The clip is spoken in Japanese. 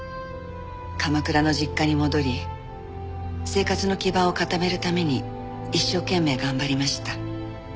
鎌倉の実家に戻り生活の基盤を固めるために一生懸命頑張りました。